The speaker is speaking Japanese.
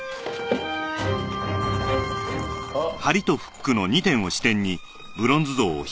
あっ。